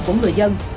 của người dân